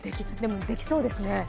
でも、できそうですね。